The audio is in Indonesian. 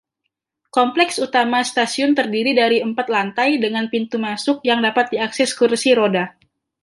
Kompleks utama stasiun terdiri dari empat lantai dengan pintu masuk yang dapat diakses kursi roda.